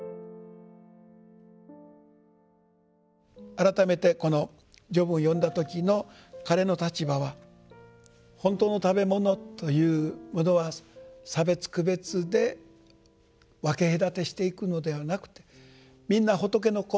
改めてこの序文を読んだ時の彼の立場は「ほんたうのたべもの」というものは差別区別で分け隔てしていくのではなくてみんな仏の子。